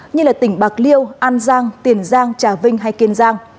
như tỉnh bạc liêu an giang tiền giang trà vinh hay kiên giang